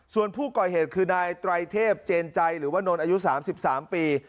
ส่วนผู้ก่อเหตุคือนายไตรเทพเจนใจหรือว่านนท์อายุ๓๓ปี